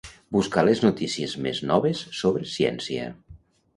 Buscar les notícies més noves sobre ciència.